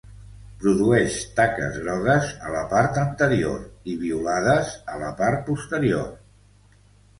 Produeix taques grogues a la part anterior i violades a la part posterior.